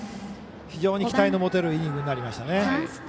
非常に期待の持てるいいイニングになりましたね。